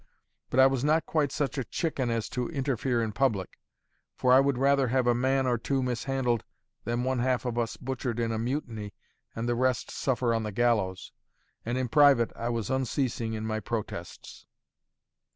But I was not quite such a chicken as to interfere in public; for I would rather have a man or two mishandled than one half of us butchered in a mutiny and the rest suffer on the gallows. And in private, I was unceasing in my protests.